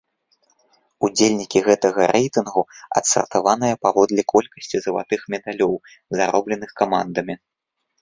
Удзельнікі гэтага рэйтынгу адсартаваныя паводле колькасці залатых медалёў, заробленых камандамі.